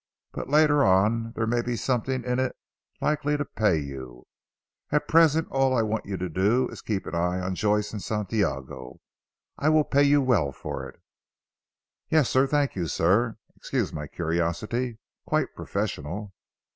But later on there may be something in it likely to pay you. At present all I want you to do is to keep an eye on Joyce and Santiago. I will pay you well for it." "Yes sir, thank you, sir. Excuse my curiosity. Quite professional."